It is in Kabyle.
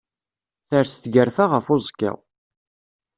Ters tgerfa ɣef uẓekka.